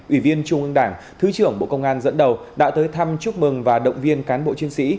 ủy viên trung ương đảng thứ trưởng bộ công an dẫn đầu đã tới thăm chúc mừng và động viên cán bộ chiến sĩ